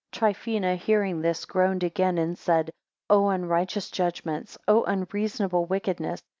Trifina hearing this, groaned again, and said: O unrighteous judgments! O unreasonable wickedness!